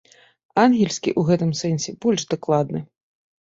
Ангельскі ў гэтым сэнсе больш дакладны.